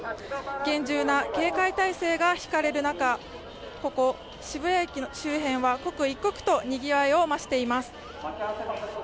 厳重な警戒態勢が敷かれる中、ここ渋谷駅周辺は刻一刻とにぎわいを増しています。